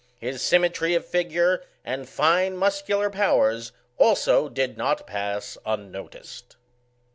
His symmetry of figure and fine muscular powers, also, did not pass unnoticed.